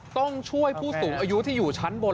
ต้องช่วยผู้สูงอายุที่อยู่ชั้นบน